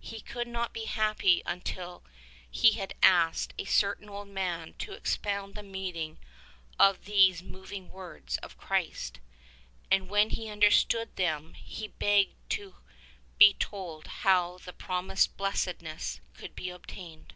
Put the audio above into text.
He could not be happy until he had asked a certain old man to expound the meaning of these moving words of Christ, and when he understood them he begged to be told how the promised blessedness could be obtained.